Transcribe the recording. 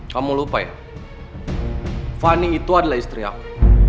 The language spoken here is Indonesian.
kamu lupa ya fani itu adalah istri aku